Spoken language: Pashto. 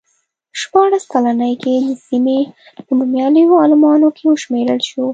په شپاړس کلنۍ کې د سیمې په نومیالیو عالمانو کې وشمېرل شو.